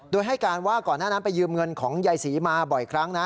โดยให้การว่าก่อนหน้านั้นไปยืมเงินของยายศรีมาบ่อยครั้งนะ